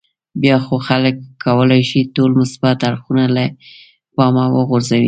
بیا خو خلک کولای شي ټول مثبت اړخونه له پامه وغورځوي.